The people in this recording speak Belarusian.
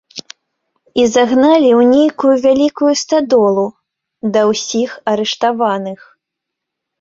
І загналі ў нейкую вялікую стадолу, да ўсіх арыштаваных.